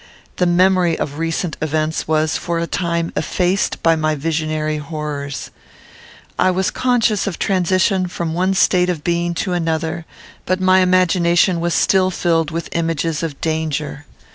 The memory of recent events was, for a time, effaced by my visionary horrors. I was conscious of transition from one state of being to another; but my imagination was still filled with images of danger.